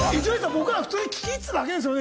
僕ら普通に聞き入ってただけですよね？